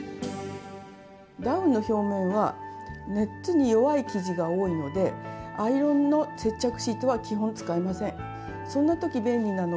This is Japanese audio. ダウンの表面は熱に弱い生地が多いのでアイロンの接着シートは基本使えません。